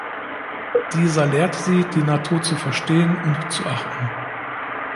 Dieser lehrt sie, die Natur zu verstehen und zu achten.